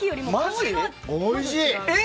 おいしい！